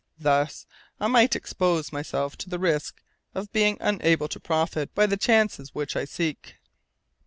Thus I might expose myself to the risk of being unable to profit by the chances which I seek."